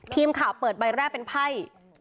ทีมข่าวเปิดใบแรกเป็นไพ่